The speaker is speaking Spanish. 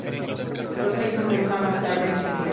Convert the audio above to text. Rosa hizo monja más tarde en su vida.